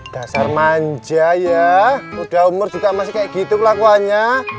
dasar manja ya udah umur juga masih kayak gitu kelakuannya